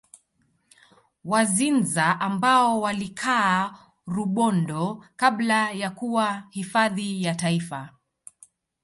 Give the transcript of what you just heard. Wazinza ambao walikaa Rubondo kabla ya kuwa hifadhi ya Taifa